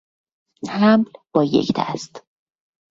حمل با یک دست